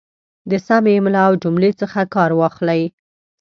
د سمې املا او جملې څخه کار واخلئ